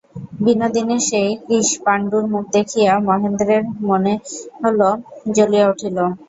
বিনোদিনীর সেই কৃশপাণ্ডুর মুখ দেখিয়া মহেন্দ্রের মর্ োনল জ্বলিয়া উঠিল।